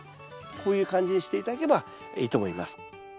こういう感じにして頂ければいいと思います。